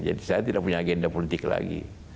jadi saya tidak punya agenda politik lagi